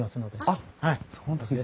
あっそうなんですね。